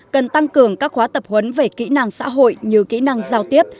cần tăng cường các khóa tập huấn về kỹ năng xã hội như kỹ năng giao tiếp